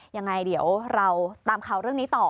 ยังไงเดี๋ยวเราตามข่าวเรื่องนี้ต่อ